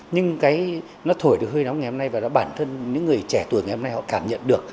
nhưng cái nó thổi được hơi nóng ngày hôm nay và đã bản thân những người trẻ tuổi ngày hôm nay họ cảm nhận được